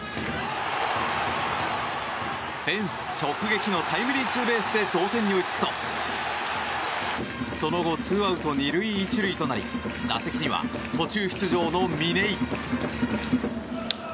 フェンス直撃のタイムリーツーベースで同点に追いつくとその後、ツーアウト２塁１塁となり打席には途中出場の嶺井。